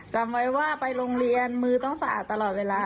จำไว้ว่าไปโรงเรียนมือต้องสะอาดตลอดเวลา